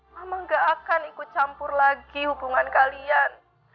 mama gak akan ikut campur lagi hubungan kalian